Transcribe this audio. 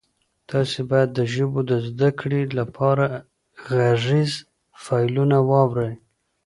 تاسي باید د ژبو د زده کړې لپاره غږیز فایلونه واورئ.